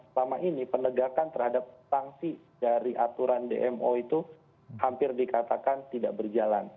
selama ini penegakan terhadap sanksi dari aturan dmo itu hampir dikatakan tidak berjalan